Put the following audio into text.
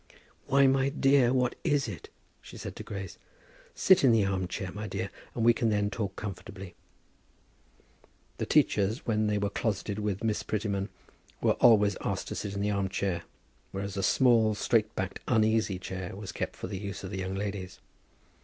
"Well, my dear, what is it?" she said to Grace. "Sit in the arm chair, my dear, and we can then talk comfortably." The teachers, when they were closeted with Miss Prettyman, were always asked to sit in the arm chair, whereas a small, straight backed, uneasy chair was kept for the use of the young ladies.